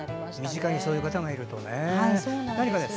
身近にそういう方がいるとね。